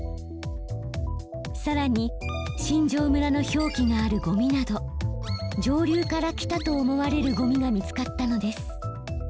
さらに新庄村の表記があるゴミなど上流から来たと思われるゴミが見つかったのです。